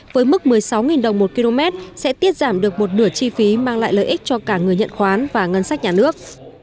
với mức một mươi sáu đồng một km sẽ tiết giảm được một nửa chi phí mang lại lợi ích cho cả người nhận khoán và ngân sách nhà nước